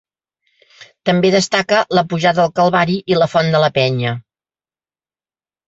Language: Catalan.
També destaca la pujada al Calvari i la Font de la Penya.